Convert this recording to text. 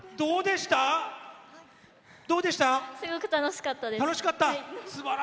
すごく楽しかったです。